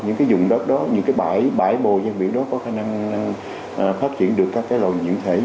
những cái dụng đất đó những cái bãi bồi dân biển đó có khả năng phát triển được các loại dưỡng thể